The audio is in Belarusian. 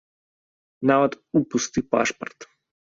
Нават у пусты пашпарт.